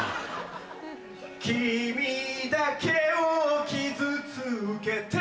君だけを傷つけて・